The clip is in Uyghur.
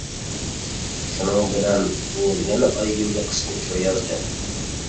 شۇنىڭ بىلەن ئۇ يەنە ئايگۈلگە قىسقا ئۇچۇر يازدى.